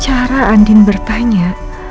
cara adin bertanya